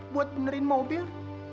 buat benerin mobil